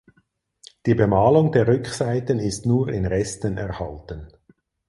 Die Bemalung der Rückseiten ist nur in Resten erhalten.